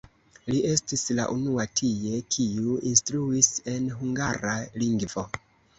Li estis la unua tie, kiu instruis en hungara lingvo.